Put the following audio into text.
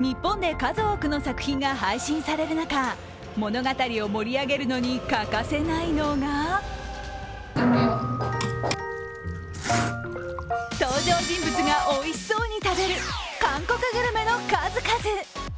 日本で数多くの作品が配信される中、物語を盛り上げるに欠かせないのが登場人物がおいしそうに食べる韓国グルメの数々。